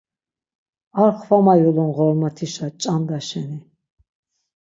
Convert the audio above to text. Ar xvama yulun Ğormotişa ç̌anda şeni.